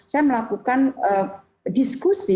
saya melakukan diskusi